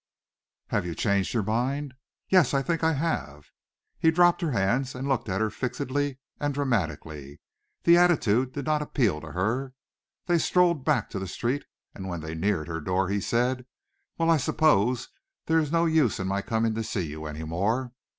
"Have you changed your mind?" "Yes, I think I have." He dropped her hands and looked at her fixedly and dramatically. The attitude did not appeal to her. They strolled back to the street, and when they neared her door he said, "Well, I suppose there's no use in my coming to see you any more."